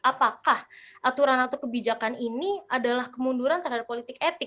apakah aturan atau kebijakan ini adalah kemunduran terhadap politik etik